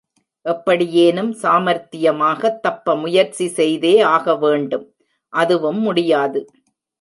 எப்படியேனும் சாமர்த்தியமாகத் தப்ப முயற்சி செய்தே ஆகவேண்டும். அதுவும் முடியாது.